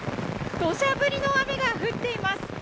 土砂降りの雨が降っています。